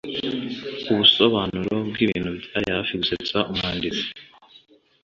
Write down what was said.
ubusobanuro bwibintu byari hafi gusetsa umwanditsi